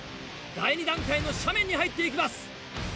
第２段階の斜面に入っていきます。